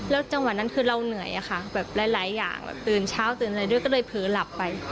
จังหวะนั้นคือเราเหนื่อยอะค่ะแบบหลายอย่างแบบตื่นเช้าตื่นอะไรด้วยก็เลยเผลอหลับไป